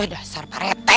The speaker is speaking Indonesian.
udah sarpa rete